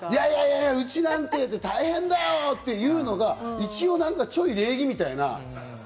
いやいや、うちなんて大変だよっていうのが一応、ちょい礼儀みたいな。